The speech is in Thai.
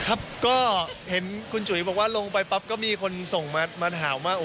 ครับก็เห็นคุณจุ๋ยบอกว่าลงไปปั๊บก็มีคนส่งมาถามว่า